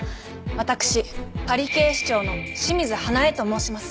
私パリ警視庁の清水花絵と申します。